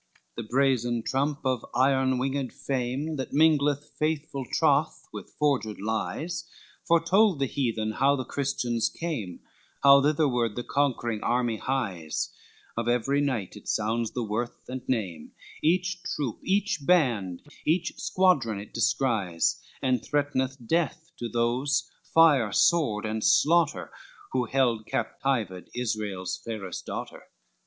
LXXXI The brazen trump of iron winged fame, That mingleth faithful troth with forged lies, Foretold the heathen how the Christians came, How thitherward the conquering army hies, Of every knight it sounds the worth and name, Each troop, each band, each squadron it descries, And threat'neth death to those, fire, sword and slaughter, Who held captived Israel's fairest daughter.